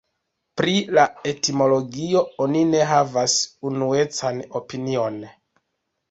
Pri la etimologio oni ne havas unuecan opinion.